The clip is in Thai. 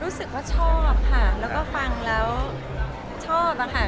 รู้สึกว่าชอบค่ะแล้วก็ฟังแล้วชอบค่ะ